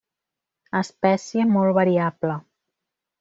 Espècie molt variable.